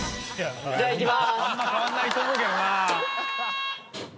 じゃあ、いきます！